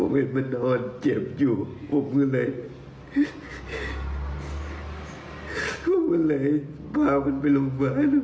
วันไหร่พามันไปโรงพยาบาล